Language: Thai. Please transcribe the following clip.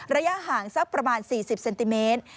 ระยะห่างสักประมาณ๔๐เซนติเมตร